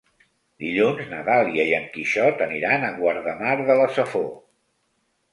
Dilluns na Dàlia i en Quixot aniran a Guardamar de la Safor.